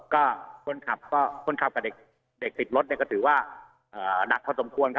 ก็คนขับกับเด็กติดรถก็ถือว่าหนักพอสมควร